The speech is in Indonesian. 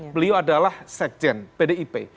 beliau adalah sekjen pdib